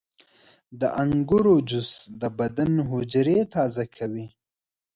• د انګورو جوس د بدن حجرې تازه کوي.